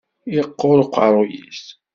Iqquṛ uqeṛṛuy-is.